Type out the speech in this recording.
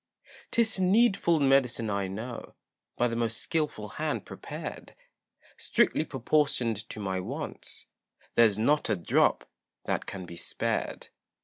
'Tis needful medicine I know, By the most skilful hand prepared, Strictly proportioned to my wants, There's not a drop that can be spared.